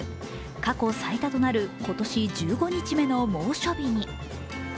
過去最多となる今年１５日目の猛暑日に。